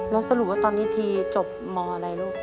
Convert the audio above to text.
แล้วสรุปว่าตอนนี้ทีจบมอะไรลูก